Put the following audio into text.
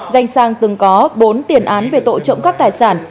danh sang từng có bốn tiền án về tội trộm cắp tài sản